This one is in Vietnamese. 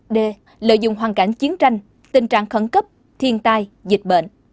d lợi dụng hoàn cảnh chiến tranh tình trạng khẩn cấp thiên tai dịch bệnh